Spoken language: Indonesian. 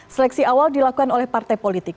seleksi awal dilakukan oleh partai politik